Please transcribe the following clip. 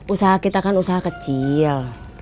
usaha kita kan usaha kecil